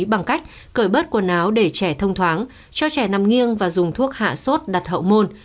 bằng cách cởi bớt quần áo để trẻ thông thoáng cho trẻ nằm nghiêng và dùng thuốc hạ sốt đặt hậu môn